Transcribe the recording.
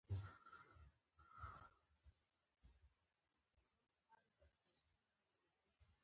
ژبه یې د ستایلو وس او توان نه لري.